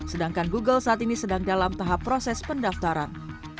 sedangkan google saat ini sedang dalam tahap proses pendaftaran